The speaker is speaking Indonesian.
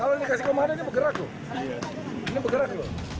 kalau ini kasih komandonya ini bergerak